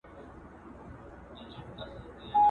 خوري غم دي د ورور وخوره هدیره له کومه راوړو!!..